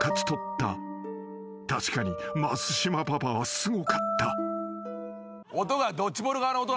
［確かに増嶋パパはすごかった］